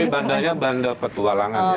tapi bandelnya bandel petualangan ya